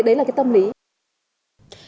đấy là cái tâm lý